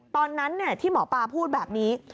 ตอนนั้นที่หมอปลาพูดแบบนี้